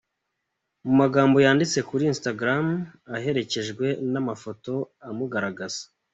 Mu magambo yanditse kuri Instagram aherekejwe n’amafoto amugaragza